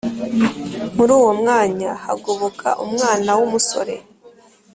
muri uwo mwanya hagoboka umwana w'umusore